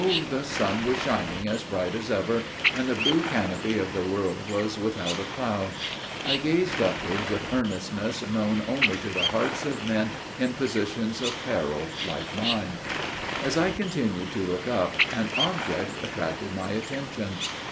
The sun was shining as bright as ever; and the blue canopy of the world was without a cloud. I gazed upward with earnestness known only to the hearts of men in positions of peril like mine. As I continued to look up, an object attracted my attention.